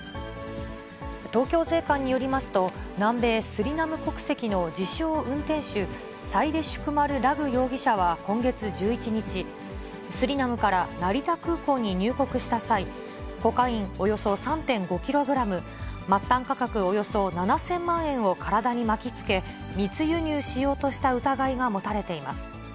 東京税関によりますと、南米スリナム国籍の自称運転手、サイレシュクマル・ラグ容疑者は今月１１日、スリナムから成田空港に入国した際、コカインおよそ３．５キログラム、末端価格およそ７０００万円を体に巻きつけ、密輸入しようとした疑いが持たれています。